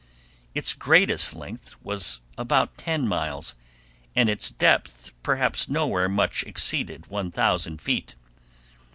Its greatest length was about ten miles, and its depth perhaps nowhere much exceeded 1000 feet.